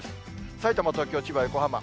さいたま、東京、千葉、横浜。